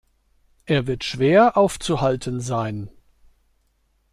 Er wird schwer aufzuhalten sein.